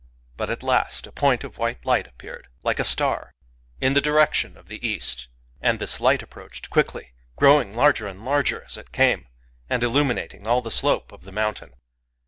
But at last a point of white light appeared, like a star, in the direction of the east ; and this light approached quickly, — growing larger and larger as it came, and illuminating all the slope of the mountain.